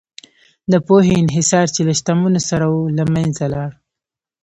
د پوهې انحصار چې له شتمنو سره و، له منځه لاړ.